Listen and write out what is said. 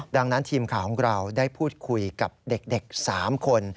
ดังนั้นทีมข่าวของเราได้พูดคุยกับเด็ก๓คน